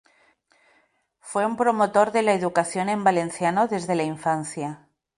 Fue un promotor de la educación en valenciano desde la infancia.